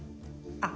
あっ。